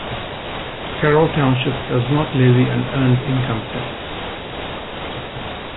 Carroll Township does not levy an earned income tax.